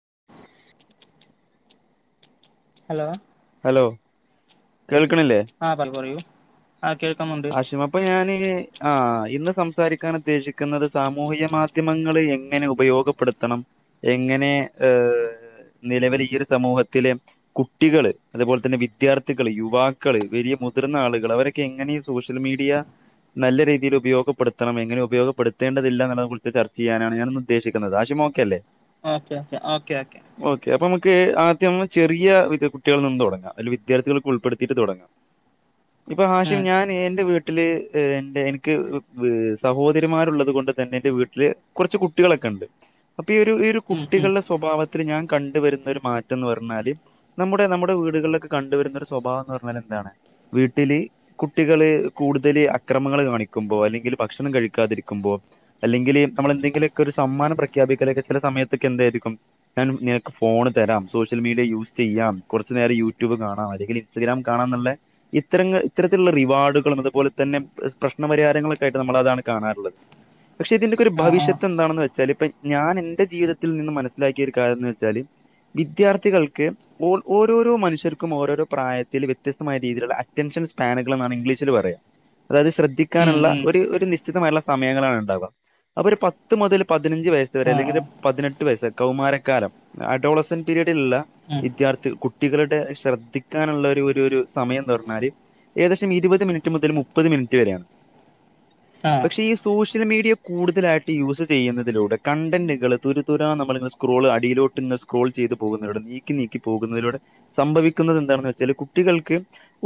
[inaudible] Hello hello കേൾക്കണില്ലേ ആഹ് പല് പറയൂ ആഹ് കേ ആശിമ ഇപ്പ ഞാന് ആഹ് ഇന്ന് സംസാരിക്കാൻ ഉദ്ദേശിക്കുന്നത് സാമൂഹിക മാധ്യമങ്ങള് എങ്ങനെ ഉപയോഗപ്പെടുത്തണം എ ങ്ങനെ ഏഹ് നിലവില് ഈ ഒരു സമൂഹത്തിലെ കുട്ടികള് അതുപോലെ തന്നെ വിദ്യാർത്ഥികള് യുവാക്കള് വലിയ മുതിർന്ന ആളുകള് അവരൊക്കെ എങ്ങനെ സോഷ്യൽ മീഡിയ നല്ല രീതിയിൽ ഉപയോഗപ്പെടുത്തണം എങ്ങനെ ഉപയോഗപ്പെടുത്തേണ്ടതില്ല എന്നുള്ളതിനെ കുറിച്ച് ചർച്ച ചെയ്യാനാണ് ഞാനിന്ന് ഉദ്ദേശിക്കുന്നത് ആശി മോ ക്കെ അല്ലെ ഓക്കെ ഓക്കെ ഓക്കെ ഓക്കെ ക്ക് ആദ്യ നമ്മള് ചെറിയ വിദ്യ കുട്ടികളില് നിന്ന് തുടങ്ങാം അയ്ല് വിദ്യാർത്ഥികളൊക്ക ഉൾപ്പെടുത്തിട്ട് തുടങ്ങാ ഇപ്പൊ ഹാഷിം ഉം ഞാൻ എന്റെ വീട്ടില് എൻ്റെ എനിക്ക് സഹോദരിമാരുള്ളത് കൊണ്ട് തന്നെ എന്റെ വീട്ടില് കൊറച്ച് കുട്ടി ളൊക്കണ്ട് അപ്പൊ ഈ ഒരു ഈ ഒരു ഉം ഉം കുട്ടികളുടെ സ്വഭാവത്തില് ഞാൻ കണ്ടുവരുന്നരു മാറ്റന്ന് പറഞ്ഞാല് നമ്മുടെ നമ്മുടെ വീടുകളിലൊക്കെ കണ്ടുവരുന്നൊരു സ്വഭാവന്ന് പറഞ്ഞാലെന്താണ് വീട്ടില് കു ട്ടികള് കൂടുതൽ അക്രമങ്ങള് കാണിക്കുമ്പോ അല്ലെങ്കിൽ ഭക്ഷണം കഴിക്കാതിരിക്കുമ്പോ അല്ലെങ്കിൽ നമ്മളെ എന്തെങ്കിലൊക്കെ ഒര് സമ്മാനം പ്രഖ്യാപിക്കലൊക്കെ ചില സമയത്തക്കെന്തായിരിക്കും ഞാൻ നിനക്ക് ഫോണ് തരാം സോഷ്യൽ മീ ലെ യൂസ് ചെയ്യാം കൊറച്ചു നേരം യൂട്യൂബ് കാണാം അല്ലെങ്കില് ഇൻസ്റ്റഗ്രാം കാണാന്നുള്ള ഇത്തരങ്ങൾ ഇത്തര ത്ത്ള്ള റിവാർഡുകളും അതുപോലെ തന്നെ പ്രശ് പ്രശ്നപരിഹാരങ്ങളൊക്കെ ആയിട്ട് നമ്മളതാണ് കാണാറുള്ളത് പക്ഷെ ഇതിന്റെക്ക ഒരു ആ ആ ഭവിഷ്യത്ത് എന്താണെന്ന് വെച്ചാല് ഇപ്പൊ ഞാൻ എന്റെ ജീവിതത്തിൽ നിന്ന് മനസ്സിലാക്കിയ ഒരു കാര്യം എന്ന് വെച്ചാല് വിദ്യാർത്ഥികൾക്ക് ഓര് ഓരോരോ മനുഷ്യർക്കും ഓരോരോ പ്രായത്തില് വ്യത്യസ്തമായ രീതിയിലുള്ള അറ്റൻഷൻസ് പാനഗള് എന്നാണ് ഇംഗ്ലീഷിൽ പറയാ അതായത് ഉം ശ്രദ്ധിക്കാനുള്ള ഉം ഒരു ഒര് നിശ് ചിതമായുള്ള സമയങ്ങളാണ് ഉണ്ടാവാ അപ്പൊ ഒരു പത്ത് മുതൽ പതിനഞ്ച് വയസ് വരെ ആ അല്ലെങ്കിൽ ആ ഒരു പതിനെട്ട് വയസ് കൗമാരക്കാലം അഡോൾസൻ പിരീ [unintelligible] ഉം വിദ്യാർത്ഥി കുട്ടികളുടെ ശ്രദ്ധിക്കാനുള്ള ഒരു ഒരു സമയംന്ന് പറഞ്ഞാല് ഏകദേശം ഇരുപത് മിനിറ്റ് മുതൽ മുപ്പത് മിനിറ്റ് വരെയാണ് ആ പക്ഷെ ഈ സോഷ്യൽ മീഡിയ കൂടുതലായിട്ട് യൂസ് ചെയ്യുന്നതിലൂടെ കണ്ടന്റുകൾ തുരു തുരാ നമ്മൾ ഇങ്ങനെ സ്ക്രോൾ അടിയിലൂ ട്ട് സ്ക്രോൾ ചെയ്ത് പോകുന്നതിലൂടെ നീക്കി നീക്കി പോകുന്നതിലൂടെ സംഭവിക്കുന്നത് എന്താണെന്ന് വെച്ചാല് കുട്ടികൾക്ക്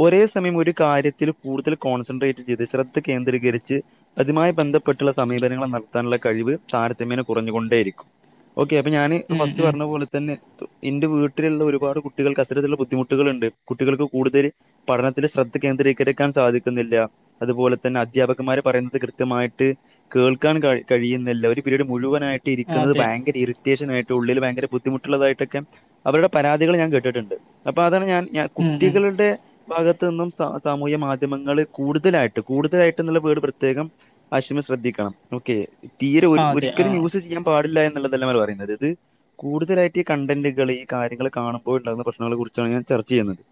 ഒരേ സമയം ഒരു കാര്യത്തിൽ കൂടുതൽ കോൺസെൻട്രേറ്റ് ചെയ്ത് ശ്രദ്ധ കേന്ദ്രീകരിച്ച് അതുമായി ബന്ധപ്പെട്ടുള്ള സമീപനങ്ങൾ നടത്താനുള്ള കഴിവ് താരതമ്യേന കുറഞ്ഞുകൊണ്ടേയിരിക്കും ഓക്കെ അപ്പൊ ഞാന് ഉം ഫസ്റ്റ് ഉം പറഞ്ഞ പോലെ തന്നെ. ഇന്റെ വീട്ടിലുള്ള ഒരുപാട് കുട്ടികൾക്ക് അത്തരത്തിലുള്ള ബുദ്ധിമുട്ടുകളുണ്ട് കുട്ടികൾക്ക് കൂടുതല് പഠനത്തിൽ ശ്ര ദ്ധ കേന്ദ്രീകരിക്കാൻ സാധിക്കുന്നില്ല അതുപോലെ തന്നെ അധ്യാപകന്മാര് പറയുന്നത് കൃത്യമായിട്ട് കേൾക്കാൻ കഴി കഴിയുന്നില്ല ഒരു പിരീഡ് മുഴുവനായിട്ട് ഇരിക്കുന്നത് അതെ ഭയങ്കര ഇറി റ്റേഷനായിട്ട് ഉള്ളിൽ ഭയങ്കര ബുദ്ധിമുട്ടുള്ളതായിട്ടൊക്കെ അവരുടെ പരാതികള് ഞാൻ കേട്ടിട്ടുണ്ട് അപ്പോ അതാണ് ഞാൻ ഞാൻ ഉം ഉം കുട്ടികളുടെ ഭാഗത്ത് നിന്നും സ സാമൂഹ്യ മാധ്യമങ്ങളിൽ കൂടുതലായിട്ട് കൂടുതലായിട്ട് എന്നുള്ള വേഡ് പ്രത്യേകം ആശിം ശ്രദ്ധിക്കണം. ഓക്കെ തീരെ ഒരു ആ അതെ ആ ഒരിക്കലും യൂസ് ചെയ്യാൻ പാടില്ല എന്നുള്ള [unintelligible] കൂടുതലായിട്ട് ഈകണ്ടെന്റുകള് ഈ കാര്യങ്ങൾ കാണുമ്പോൾ ഉണ്ടാവുന്ന പ്രശ്നങ്ങളെ കുറിച്ചാണ് ഞാൻ ചർ [unintelligible]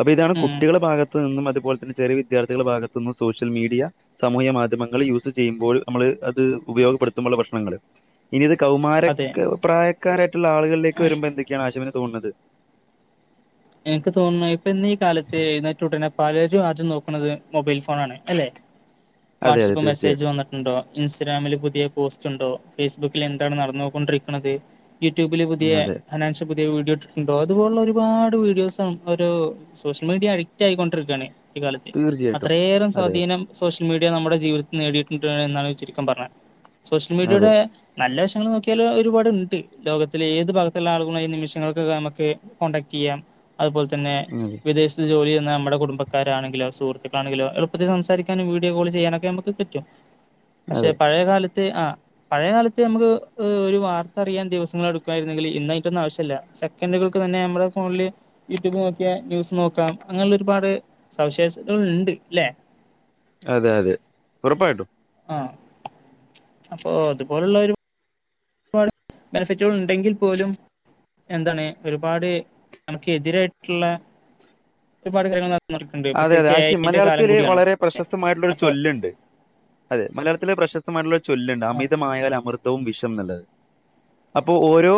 അപ്പൊ ഇതാണ് ഉം കുട്ടികളുടെ ഭാഗ ത്ത്ന്ന് അതുപോലെതന്നെ ചെറിയ വിദ്യാർത്ഥികളെ ഭാഗത്തു നിന്നും സോഷ്യൽ മീഡിയ സാമൂഹ്യ മാധ്യമങ്ങൾ യൂസ് ചെയ്യുമ്പോൾ നമ്മള് അത് ഉപയോഗപെടുത്തുമ്പള്ള പ്രശ്ണങ്ങൾ ഇനി ഇത് കൗമാര അതെ ക്ക് പ്രായക്കാരായട്ട്ള്ള ആളുകളിലേക്ക് വരുമ്പോ എന്തൊക്കെയാണ് ആശിമിന് തോന്ന്ണത് എനിക്ക് തോന്നുന്നത് ഇപ്പൊ ഇന്ന് ഈ കാലത്ത് എഴുന്നേറ്റുടനെ പലരും ആദ്യം നോക്ക്ണത് മൊബൈൽ ഫോ ണാണ് അല്ലെ അതെ അതെ വാട്സപ്പ് മെസ്സേജ് തീർച്ചയായിട്ടും വന്നിട്ടുണ്ടോ ഇൻസ്റ്റഗ്രാമില് പുതിയ പോസ്റ്റ്ണ്ടോ ഫേസ്ബുക്കിൽ എന്താണ് നടന്നുകൊണ്ടിരിക്ക്ണത് യൂട്യൂബില് പുതിയ അതെ ഹനാൻഷ വീഡിയോ ഇിട്ടുണ്ടോ അതുപോലുള്ള ഒരുപാട് വീഡിയോസും ഒരു സോഷ്യൽ മീഡിയ അഡിക്ട് ആയി കൊണ്ടിരിക്കാണ്. ഈ കാലത്ത് തീർച്ചയായിട്ടും അത്രയേറം അതെ സ്വാധീനം സോഷ്യ ൽ മീഡിയ നമ്മുടെ ജീവിതത്തിൽ നേടിയിട്ടുണ്ട് എന്നാണ് ചുരുക്കം പറഞ്ഞ സോഷ്യൽ അതെ മീഡിയയുടെ നല്ല [unintelligible] നോക്കിയാൽ ഒരുപാടുണ്ട് ലോകത്തിലെ ഏത് ഭാഗത്തുള്ള ആളുകളുമായി നിമിഷങ്ങൾക്കകം നമ്മക്ക് കോൺടാക്ട്യ്യാം. അതുപോലെതന്നെ ഉം വിദേശത്ത് ജോലി നമ്മുടെ കുടുംബക്കാരാണെങ്കിലോ സുഹൃത്തുക്കളാണെങ്കിലോ എളുപ്പത്തിൽ സംസാരിക്കാനും വീഡിയോ കോൾ ചെയ്യാനൊക്കെ നമുക്ക് പറ്റും. പക്ഷെ അതെ പഴയകാല ത്ത് ആ പഴയകാലത്ത് നമുക്ക് ഒരു വാർത്ത അറിയാൻ ദിവസങ്ങൾ എടുക്കുമായിരുന്നെങ്കിൽ ഇന്നാതിന്റെന്നും ആവശ്യല്ല. സെക്കൻഡുകൾക്ക് തന്നെ നമ്മടെ ഫോണില് യൂട്യൂബ് നോക്കിയാൽ ന്യൂസ് നോക്കാം അങ്ങനെയുള്ള ഒരുപാട് സവിശേഷതകൾ ഉണ്ട് ല്ലെ? അതെ അതെ ഉറപ്പായിട്ടും. ആ അപ്പൊ അതുപോലുള്ള ഒരു [unintelligible] ബെനഫിറ്റുകൾ ഉണ്ടെങ്കിൽ പോലും എന്താണ് ഒരുപാട് നമുക്ക് എതിരായിട്ടുള്ള ഒരുപാട് കാര്യങ്ങൾ നട അതെ അതെ ആശിം മലയാളത്തില് വളരെ പ്രശസ്തമായിട്ടുള്ളൊരു അപ്പൊ ചൊല്ലുണ്ട്. അതെ മലയാളത്തിലത്തില് പ്രശസ്തമായിട്ടുള്ള ചൊല്ലുണ്ട് അമിതമായ ഒരു അമൃതവും വിഷം [unintelligible] അപ്പോ ഓരോ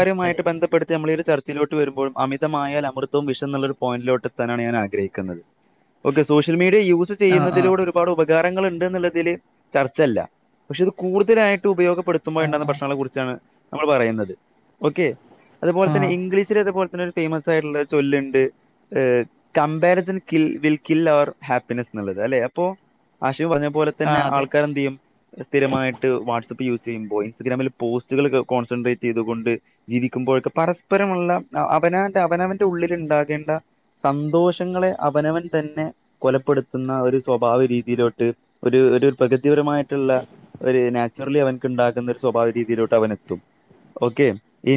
അതെ ബന്ധപ്പെടുത്തി നമ്മളി [unintelligible] അമിതമായാൽ അമൃതവും വിഷം ന്നുള്ളരു പോയിന്റിലോട്ടെത്താനാണ് ഞാൻ ആഗ്രഹിക്കുന്നത്. [unintelligible] സോഷ്യൽ മീഡിയ യൂസ് ആഹ് ആഹ് ചെയ്യുന്നതിലൂടെ ഒരുപാട് ഉപകാരങ്ങളുണ്ട്. [unintelligible] എന്നുള്ളതിൽ ചർച്ചല്ല പക്ഷെ ഇത് കൂടുതലായിട്ട് ആഹ് ഉപയോഗപ്പെടുത്തുമ്പോഴിണ്ടാവുന്ന ആഹ് പ്രശ്നങ്ങളെ കുറിച്ചാണ്. നമ്മൾ പറയുന്നത് ഓക്കെ അതുപോലെ തന്നെ ആഹ് ഇംഗ്ഗീഷ്കു അതുപോലെ തന്നെ ഫേമസ് ആയിട്ടുള്ള ഒരു ചൊല്ലുണ്ട് [unintelligible] ബിൽ കിൽ അവർ ഹാപ്പിനെസ് ന്ന്ള്ളത് അല്ലെ അപ്പോ ആശിം പറഞ്ഞു. അതുപോലെ തന്നെ ആഹ് അതെ ആൾക്കാരെന്ത് ചെയ്യും സ്ഥിരമായിട്ട് വാട്സാപ്പ് യൂസ് ചെയ്യുമ്പോ ഇൻസ്റ്റഗ്രാമിൽ [unintelligible] പോസ്റ്റുകൾ കൊക്കെ കോൺസെൻട്രേറ്റ് ചെയ്തുകൊണ്ട് ജീവുമ്പോഴൊക്കെ പരസ്പരമുള്ള അവനാന്റെ അവനവന്റെ ഉള്ളിൽ ഉണ്ടാകേണ്ട സന്തോഷങ്ങളെ അവനവൻ തന്നെ കൊലപ്പെടുത്തുന്ന ഒരു സ്വഭാവ രീതിയിലോട്ട് ഒരു ഒരു പ്രകൃതിപരമായിട്ടുള്ള ഒരു നാച്ചുറലി അവനക്ക് ഉണ്ടാക്കുന്ന ഒരു സ്വഭാവിക രീതിയിലോട്ട് അവൻ എത്തും ഓക്കെ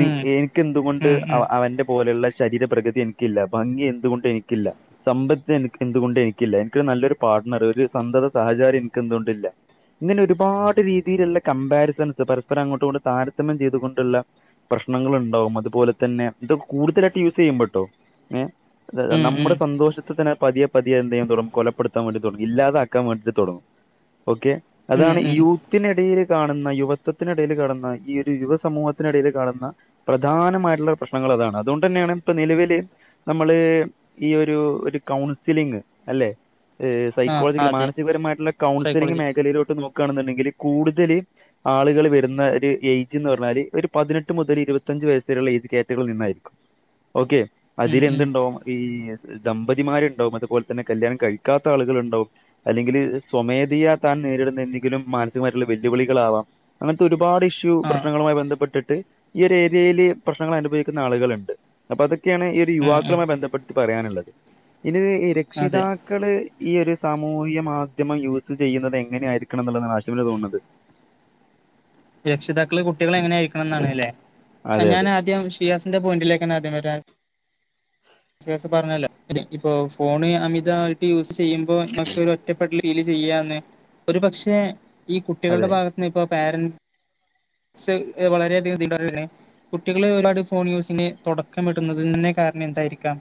ഉം എനിക്ക് എന്തുകൊണ്ട് ഉം ഉം അവന്റെ പോലെയുള്ള ശരീര പ്ര്രകൃതി എനിക്കില്ല ഭംഗി എന്തുകൊണ്ട് എനിക്കില്ല സമ്പത്ത് എനിക്ക് എന്തുകൊണ്ട് എനിക്കില്ല എനിക്കൊരു നല്ലൊരു പാർട്്ണർ ഒരു സന്തത സഹചയം എനിക്ക് എന്തുകൊണ്ടില്ല ഇങ്ങനെ ഒരുപാട് രീതിയിലുള്ള കമ്പാരിസൺസ് പരസ്പരം അങ്ങോട്ട കൊണ്ട് താരതമ്യം ചെയ്തുകൊണ്ടുള്ള പ്രന പ്രക്ഷണങ്ങ ഉണ്ടാവും അതുപോലെ തന്നെ ഇതൊ കൂടുതലായിട്ട് യൂസ് ചെയ്യും പട്ടോ ഉം ഉം നമ്മുടെ സന്തോഷത്തിനന് പതിെ പതിയെ എന്തെ്യും തുടങ്ങും കൊലപ്പെടുത്താൻ വേണ്ടിടങ്ങും ഇല്ലാതൊക്കാൻ വേണ്ടിട്ട്ടും ഓക്കെ ഉം അതാണ് ഉം യൂത്തിന ഇടയിൽ കാണുന്ന യുവത്വത്തിനിടൽ കാണുന്ന ഈ ഒരു യുവ സമൂഹത്തിനിടയിൽ കാണുന്ന പ്രധാനമായിട്ടുള്ള പ്രശ്നങ്ങൾ അതാണ് അതുകൊണ്ട് തന്നെയാണ് ഇപ്പ നിലവില് നമ്മള് ഈ ഒരു ഒരു കൗൺസിലിങ് അല്ലെ ഏഹ് ആഹ് സൈക്കോളജിക്കൽ അതെ മാനസികപരമായിട്ടുള്ള കൗൺസിലിംഗ് സൈക്കോളജി മേഖലയിലോട്ട് നോക്കുകയാണെന്നുണ്ടെങ്കിൽ കൂടുതല് ആളുകൾ വരുന്ന ഒരു ഏജ് എന്ന് പറഞ്ഞാല് ഒരു പതിനെട്ട് മുതൽ ഇരുപത്തിഞ്ച വയസ്സുള്ള ഏജ് റ്റകൾ നിന്നായിരിക്കും ഓക്കെ അതിൽ ഉം ഉം എന്തുണ്ടാവും ഈ ദമ്പതിമാരുണ്ടാവും അതുപോലെ തന്നെ കല്യാണം കഴിക്കാത്ത ആളുകൾ ഉണ്ടാവും അല്ലെങ്കിൽ സ്വമേധയാ ത നേരിടുന്ന എന്തെങ്കിലും മാനസികമായിട്ടുള്ള വെല്ലുവിളികളാവാം അങ്ങനത്തെ ഒരുപാട് ഇഷ്യൂ ആഹ് പ്രശ്നങ്ങളുമായി ബന്ധപ്പെട്ടിട്ട് ഈ ഒരു ഏരിയയില്ൽ പ്രശ്നങ്ങൾ അനുഭവിക്കുന്ന ആളുകളുണ്ട് അപ്പൊ അതൊക്കെയാണ് ഈ ഒരു ഉം ഉം യുവാക്കളുമായി ബന്ധപ്പെട്ട് പറയാനുള്ളത് ഇനി അതെ രക്ഷിതാക്കള് ഈ ഒരു സാമൂഹിക മാധ്യമം യൂസ് ചെയ്യുന്നത് എങ്ങനെയ ആയിരിക്കണം എന്നുള്ളതാണ് ആശുപന് തോന്നുന്നത് രക്ഷിതാക്കള് കുട്ടികൾ എങ്ങനൊയിയിരിക്കണം എന്നാണ് അല്ലേ അതെ അതെ ഞാനാദ്യ ഷിയാസിന്റെ പോയിന്റിലേക്കാണ് ആദ്യം വരാ അസ പറഞ്ഞല്ല ഇപ്പൊ ഫോണ് അമിതമായിട്ട് യൂസ് ചെയ്യുമ്പോ ക്ക ഒറ്റപ്പെ ഫീല് ചെയ്യാന്ന് ഒരു പക്ഷെ ഈ കുട്ടികളുടെ അതെ ഭാഗത്ത്ന്ന് ഇപ്പോൊ പാരൻറ് വളരെയധികം കുട്ടികള് ഒരുപാട് ഫോൺ യൂസിന് തുടക്കം കിട്ടുന്നതിന്നെ കാരണം എന്തായിരിക്കാം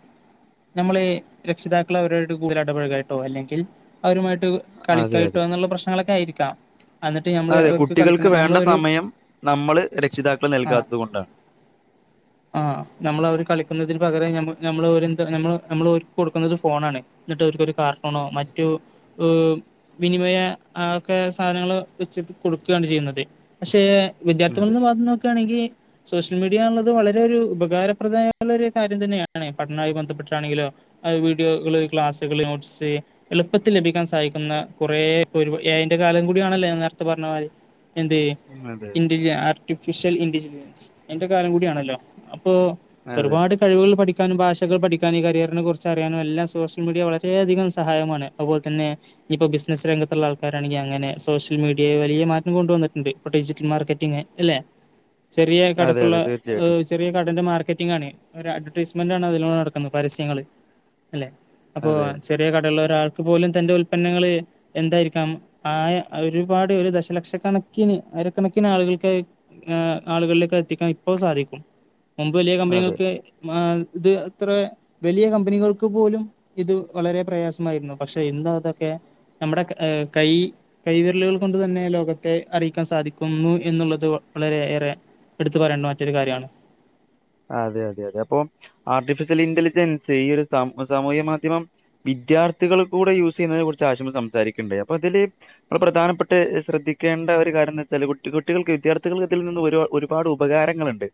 നമ്മള രക്ഷിതാക്കൾ അവര കൂടുതൽ ഇടപഴകായിട്ടോ അല്ലെങ്കിൽ അവരുമായിട്ട് കളിക്ക അതെ കട്ടോ അതെ എന്നുള്ള പ്രശ്നങ്ങളൊക്കെ ആയിരിക്കാം എന്നിട്ട് ഞമ്മള് അതെ അവർക്ക് കളിക്കണ കുട്ടികൾക്ക് വേണ്ട ഞമ്മൾരു സമയം നമ്മള് രക്ഷിതാക്കൾ ആഹ നൽകാത്തത് കൊണ്ടാണ് ആഹ് നമ്മള അവര് കളിക്കുന്നതിന് പകരം മ്മ നമ്മൾ ഒരുന്താ നമ്മ നമ്മള് ഒരു കൊടുക്കുന്നത് ഫോണാണ് എന്നിട്ട് അവക്ക്ൊരു കാർട്ടൂണോ മറ്റു വിനിമയ ആ ഒക്കെ സാധനങ്ങള്ൾ വെച്ചിട്ട് കൊടുക്കുകയാണ് ചെയ്യുന്നത് പക്ഷെ അതെ വിദ്യാർത്ഥികളന്ന് വാഗം നോക്കുകയാണെങ്കിൽ സോഷ്യൽ മീഡിയ എന്നുള്ളത് വളരെ ഒരു ഉപകാരപ്രദമായുള്ള ഒരു കാര്യം തന്നെയാണ് പഠനമായി ബന്ധപ്പെട്ടാണെങ്കിലോ വീഡിയോകള് ക്ലാസ്സുകൾ നോട്ട്സ് എളുപ്പത്തിൽ ലഭിക്കാൻ സഹും എന്നാ കുറേ അതിന്റെ കാലം കൂട ആണല്ലേ ഞാൻ നേരത്തെ പറഞ്ഞ മാതിരി അതെ എന്ത് ആർട്ടിഫിഷ്യൽ ഇന്റലിജൻസ് എന്റെ കാലം കൂടിയണല്ലോ ഇപ്പൊ അതെ അതെ ഒരുപാട് കഴിവുകൾ പഠിക്കാനും ഭാഷകൾ പഠിക്കാനും കാര്യ കുറിയാനും എല്ലാം സോഷ്യൽ മീഡിയ വളരെയധിക സഹായമാണ് അതുപോലെന്നെ ഇപ്പോ ബിസിനസ് രംഗത്തുള്ള ആൾക്കാ അനെ സോഷ്യൽ മീഡിയൽ വലിയ മാറ്റം കൊണ്ട വന്നിട്ടണ്ട് ഇപ്പോ ഡിജിറ്റൽ മാർക്കറ്റിങ്ങ് അല്ലെ ചെറിയ അതെ കടക്കുള്ള് അതെ തീർച്ചയായിട്ടും ചെറ കടന്റെ മാർക്കറ്റിംഗ അഡ്വർടൈസ്‌മെന്റ് അഡ്വർടൈസ്‌മെന്റ് ആണ് അതിലൂടെ നടക്കുന്നത് പരസ്യങ്ങൾ അല്ലെ അപ്പൊ അതെ ചെറിയ കടകൾ ഒരാൾക്ക് പോലും തന്റെ ഉൽപങ്ങൾ എന്തായിരിക്കാം ആ ഒരുപാട് ദശ ലക്ഷക്കണക്കി അരക്കണക്കിന് ആളുകൾക്ക് ആളുകളിലേക്ക് എത്തിക്കാൻ ഇപ്പൊ സാധിക്കും മുമ്പ് വലിയ അതെ കമ്പനികൾക്ക് ഇത് അത്ര വലിയ കമ്പനികൾക്ക് പോലും ഇത് വളരെ പ്രയാസമായിരുന്നു പക്ഷെ എന്താതൊക്കെ നമ്മുടെ കൈ കൈവിരലുകൾ കൊണ്ട് തന്നെ ലോകത്തെ അറിയിക്കാൻ സാധിക്കുന്നു എന്നുള്ളത് വളരെ ഏറെ എടുത്തു പറയേണ്ട മറ്റൊരു കാര്യമാണ് അതെ അതെ അതെ അപ്പൊ ആർട്ടിഫിഷ്യൽ ഇന്റലിജൻസ് ഈ ഒരു സ സാമൂഹ്യ മാധ്യമം വിദ്യാർത്ഥികൾ കൂടെ യൂസ് ചെയ്യുന്നതിനെ കുറിച്ച് ആശ സംസാരിക്കണ്ട അപ്പോ അതില്ള പ്രധാനപ്പെട്ട ശ്രദ്ധ ക്കേണ്ട ഒരു കാര്യന്താന്ന്വെച്ചാല് കുട്ടികൾക്ക് വിദ്യാർത്ഥികൾക്ക് ഇതിൽ നിന്ന് ഒരുപ ഒരുപാട് ഉപകാരങ്ങളുണ്ട്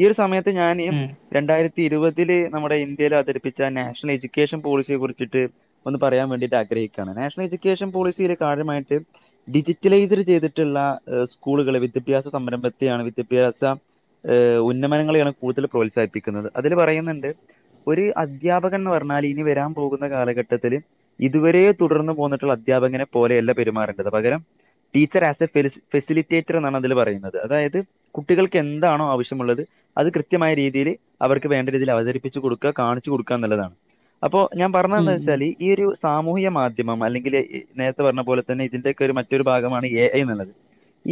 ഈ ഒരു സമയത്ത് ഞാന് ഉം രണ്ടായിരത്തി ഇരുപതിൽ നമ്മുടെ ഇന്ത്യയിൽ അവതരിപ്പിച്ച നാഷണൽ എഡ്യൂക്കേഷൻ പോളിസിയെ കുറിച്ചിട്ട് ഒന്ന് പറയാൻ വേണ്ടിട്ട് ആഗ്ര യിട്ടാണ് നാഷണൽ എഡ്യക്കേഷൻ പോളിസി കാര്യമായിട്ട് ഡിജിറ്റലൈസ് ചെയ്തിട്ടുള്ള സ്കൂളുകൾ വിദ്യാഭ്യാസ സംരംഭെത്തേയാണ് വിദ്യാഭ്യാസ ഉന്നമനങ്ങളെ കൂടുതൽ പ്രോത്സാഹിപ്പിക്കുന്നത് അതിൽ പറയുന്നുണ്ട് ഒരു അധ്യാപകൻന്ന് പറഞ്ഞാൽ ഇനി വരാൻ പോകുന്ന കാല ഘട്ടത്തില് ഇതുവരെ തുടർന്നു പോന്നിട്ടുള്ള അധ്യാപകനെ പോലെയല്ല പെരുമാറേണ്ടത് പകരം ടീച്ചർ ആസ് എ ഫെ ഫെസിലിറ്റേറ്റർ എന്നാണ് അതിൽ പറയുന്നത് അതായത് കുട്ടികൾക്ക് എന്താണോ ആവശ്യമുള്ളത് അത് കൃത്യമായ രീതിയിൽ അവർക്ക് വേണ്ട രീതിയിൽ അവതരിപ്പിച്ച് കൊടുക്കുക കാണിച്ചു കൊടുക്കുക എന്ന്ള്ളതാണ് അപ്പൊ ഞാൻ ഉം പറഞ്ഞതന്താച്ചാല് ഈ ഒരു സാമൂഹിക മാധ്യമം അല്ലെങ്കിൽ നേരത്തെ പറഞ്ഞ പോലെ തന്നെ ഇതിന്റെ മറ്റൊരു ഭാഗമാണ് എ ഐ ന്ന്ള്ളത്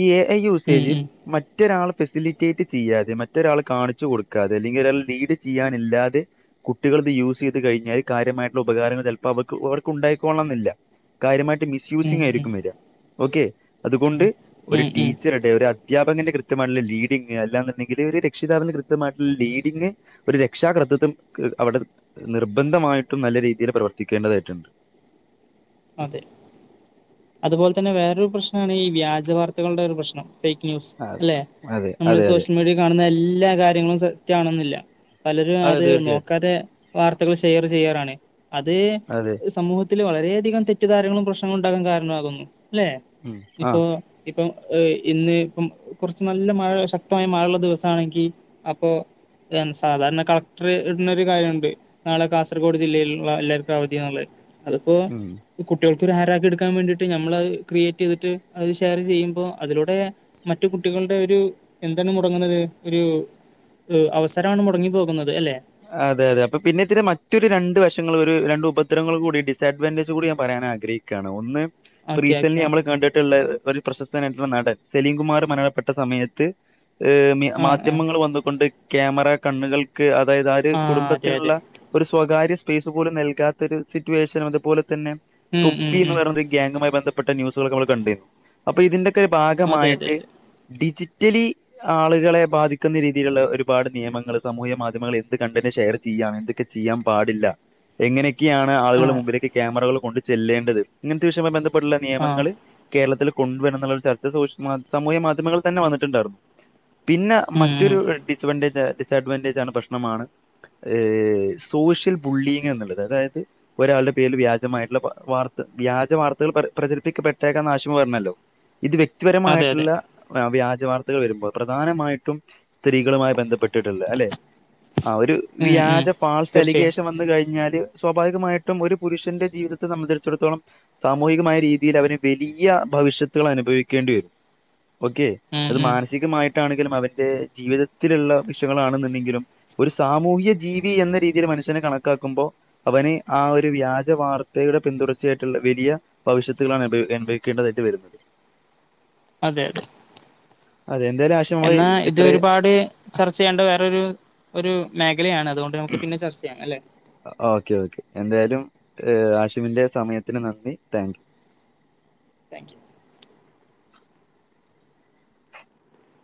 ഈ എ ഐ ഉം യൂസേജ് ഉം മറ്റൊരാൾ ഫെസിലിറ്റേറ്റ് ചെയ്യാതെ മറ്റൊരാൾ കാണ കൊടുക്കാതെ അല്ലെങ്കിൽ ഒരാൾ ലീഡ് ചെയ്യാനില്ലാതെ കുട്ടികൾ ഇത് യൂസ് ചെയ്ത് കഴിഞ്ഞാൽ കാര്യമായിട്ടുള്ള ഉപകാരങ്ങൾ അവക്ക് അവർക്ക് ഉണ്ടായിക്കോള്ളണംന്നില്ല കാര്യമായിട്ട് ഉം ഉം മിസ്യൂസിങ് ഉം ആയിരിക്കും വരാ ഓക്കെ അതുകൊണ്ട് ഉം ഒരു ഉം ഉം ടീച്ചറടെ ഒരു അധ്യാപകന്റെ കൃത്യമായിട്ടുള്ള ലീഡിംഗ അല്ലാെന്നുണ്ടെങ്കി ഒരു രക്ഷിതാവിന് കൃ താവും ആയിട്ടുള്ള ലീഡിംങ് ഒരു രക്ഷാകർം അവിടെ നിർബന്ധമായിട്ടും നല്ല രീതിൽ പ്രവർ പ്രവർത്തക്കേണ്ടതായിട്ടുണ്ട് അതെ അതുപോലെ തന്നെ വേറൊരു പ്രശ്നമാണ് ഈ വ്യാജ വർത്തകളുടെ രു പ്രശ്നം ഫേക്ക് ന്യൂസ് അല്ലെ അതെ നമ്മള് അതെ അതെ സോഷ്യൽ മീഡിയയിൽ കാണുന്ന എല്ലാ കാര്യങ്ങളും സത്യമാണെന്നില്ല പലരും അതെ അത് തീർച്ചയായിട്ടും നോക്കാതെ വാർത്തകൾ ഷെയർ ചെയ്യാറാണ് അത് അതെ സമൂഹ ത്തി വളരെയധികം തെറ്റിധാരങ്ങളും പ്രശ്നങ്ങളും ഉണ്ടാകാൻ കാരണമാകുന്നു അല്ലെ ഉം ആ ഇപ്പോ ഇപ്പൊ ഏ ഇന്ന് ഇപ്പം കുറച്ച് നല്ല മഴ ശക്തമായ മഴയള്ള ദിവസണെങ്കിൽ അപ്പൊ സാധാരണ കളക്ടർ ഇടുണൊരു കാര്യണ്ട് നാളെ കാസർഗോഡ് ജില്ലയിലുള്ള എല്ലാവർക്കും അവധിയാ എന്നുള്ളത് അത്പ്പോ ഉം കുട്ടികൾക്കൊരു ഹരാക്കി എടുക്കാൻ വേണ്ടിയിട്ട് നമ്മൾത് ക്രിയേറ്റ് ചെയ്തിട്ട് അത് ഷെയർ ചെയ്യുമ്പോൾ അതിലൂടെ മറ്റു കുട്ടികളുടെ ഒരു എന്താണ് മുടങ്ങുന്നത് ഒരു അവസരമാണ് മുടങ്ങി പോകുന്നത് അല്ലെ അതെ അതെ അപ്പൊ പിന്നെ ഇത്തി മറ്റൊരു രണ്ട് വശങ്ങൾ ഒരു രണ്ട് ഉപദ്രങ്ങൾ കൂടി ഡിസ്അഡ്വാൻറേജ് കൂടി ഞാൻ പറയാൻ ആഗ്രഹിക്കയാണ് ഒന്ന് ഇപ്പൊ ഓക്കെ റസന്റ്ലി ഓക്കെ നമ്മള് കണ്ടിട്ടുള്ള ഒരു പ്രശസ്തനായിട്ടുള്ള നടൻ സലീം കുമാർ മരണപ്പെട്ട സമയത്ത് ഹ് ആ ആ മാധ്യമങ്ങൾ വന്നുകൊണ്ട് ക്യാമറ കണ്ണുകൾക്ക് അതായത് ആ ഒരു അതെ കുടുംബത്തിനുള്ള അതെ ഒരു സ്വകാര്യ സ്പേസ് പോലും നൽകാത്ത ഒരു സിറ്റുവേഷനും അതുപോലെ ഉം ഉം തൊപ്പി എന്ന് ഉം പറയ ഗാങ്ങുമായി ബന്ധപ്പെട്ട ന്യൂസൊ നമ്മ കണ്ട് അപ്പോ ഇതിന്റെ അതെ അതെ ഭാഗമായിട്ട് അതെ ഡിജി [unintelligible] ആളുകളെ ബാധിക്കുന്ന രീതിയിലുള്ള ഒരുപാട് നിയമങ്ങൾ സാമൂഹ്യ മാധ്യമങ്ങളിൽ എ കണ്ടന്നെ ഷെയർ ചെയ്യ എന്തൊക്കെ ചെയ്യാൻ പാടില്ല എങ്ങനെയൊക്കെയാണ് ആ ആളുകൾ മുമ്പിലൊക്കെ ക്യാമറകൾ കൊണ്ട് ചെല്ലേണ്ടത് ഇങ്ങനത്തെ വിശയമായി ബന്ധപ്പെട്ടുള്ള ആ നിയമങ്ങൾ കേരളത്തിൽ കൊണ്ടുവര എന്നുള്ള [unintelligible] സമൂഹിക മാധ്യമങ്ങൾ തന്നെ വന്നിട്ടുണ്ടായിരുന്നു പിന്നെ ഉം ഉം മറ്റൊരു ഡിസ്അവാൻേജ് ഡിസ്അഡ്വാൻറേജ് ആണ് പ്രശ്നമാണ് സോഷ്യൽ ബുള്ളിങ് എന്നുള്ളത് അതായത് ഒരാളുടെ പേരില് വ്യാജമായിട്ടുള്ള വാർ വ്യാജ വാർത്തകൾ പ്രചരിപ്പിക്കപ്പെട്ടേക്കാം [unintelligible] പറഞ്ഞല്ലോ ഇത് അതെ അതെ വ്യക്തിപരമായിട്ടുള്ള വ്യാജ വർത്തകൾ വരുമ്പോൾ പ്രധാനമായിട്ടും സ്ത്രീ [unintelligible] ബന്ധപ്പെട്ടിട്ട അല്ലെ ആ ഉം ഉം വ്യാജാ ഫാൾസ് തീർച്ചയായും അലിഗേഷ കഴിഞ്ഞാല് സ്വാഭാവികമായിട്ടും ഒരു പുരുഷന്റെ ജീവിതത്തെ സംബന്ധിച്ചിടത്തോളം സാമൂഹികമായ രീതിൽ അവര് വലിയ ഭവിഷ്യത്തുകൾ അനുഭവിക്കേണ്ടി വരും ഓക്കെ ഉം അത് ഉം മാനസികമായിട്ടാണെങ്കിലും അവരുടെ ജീവിതത്തിലുള്ള വിഷയങ്ങളാണ്ന്ന്ണ്ടെങ്കിലും ഒരു സാമൂഹ്യ ജീവി എന്ന രീതിയിൽ മനുഷ്യനെ കണക്കാക്കുമ്പോ അവന് ആ ഒരു വ്യാജവാർത്തക- പിന്തുടർച്ചയായിട്ടുള്ള വലിയ ഭവിഷ്യത്തുകളാണ് അനുഭവിക്കേണ്ടതായിട്ട് വരുന്നത് അതെ അതെ അതെ എന്തായാലും ആശിം നമ്മള് എന്നാ ഇത് ഇത്ര ഒരുപാട് ചർച്ച ചെയ്യണ്ട വേറൊരു. ഒരു മേഖലയാണ് അതുകൊണ്ട് നമുക്ക് പിന്നെ ചർച്ച ചെയ്യാം അല്ലെ. ഓക്കെ ഓക്കെ എന്തായാലും ആശുവിന്റെ സമയത്തിന് നന്ദി താങ്ക് യു. Thank U.